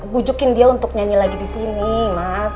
bujukin dia untuk nyanyi lagi disini mas